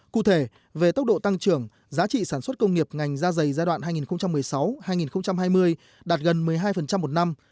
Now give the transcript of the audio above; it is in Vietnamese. cụ thể về tốc độ tăng trưởng giá trị sản xuất công nghiệp ngành da dày giai đoạn hai nghìn một mươi sáu hai nghìn hai mươi đạt gần một mươi hai một năm